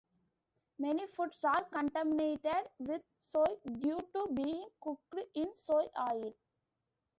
Many foods are contaminated with soy due to being cooked in soy oil.